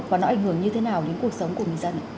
và nó ảnh hưởng như thế nào đến cuộc sống của người dân ạ